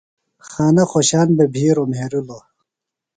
خانہ خوۡشان بھےۡ بھِیروۡ مھرِیلوۡ۔